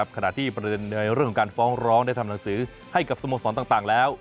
ขณะที่ในเรื่องของการฟ้องร้องได้ทำหนังสือให้กับสมงค์สอนต่างแล้ว